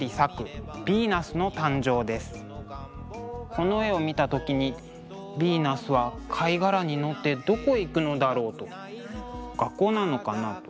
この絵を見た時にヴィーナスは貝殻に乗ってどこへ行くのだろう？と学校なのかな？と。